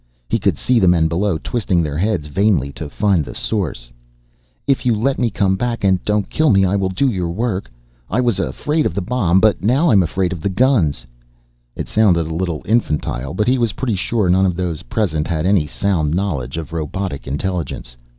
He could see the men below twisting their heads vainly to find the source. "If you let me come back and don't kill me I will do your work. I was afraid of the bomb, but now I am afraid of the guns." It sounded a little infantile, but he was pretty sure none of those present had any sound knowledge of robotic intelligence.